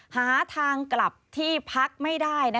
หาทางกลับที่พักไม่ได้